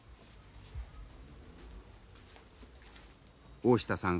大下さん